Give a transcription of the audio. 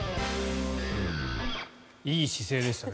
いい姿勢でしたね。